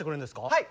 はい！